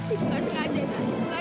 ibu gak sengaja